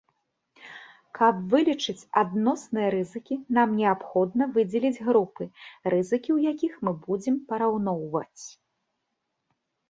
Каб вылічыць адносныя рызыкі нам неабходна выдзеліць групы, рызыкі ў якіх мы будзем параўноўваць.